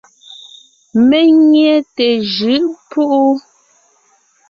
Mé nyé té jʉʼ púʼu.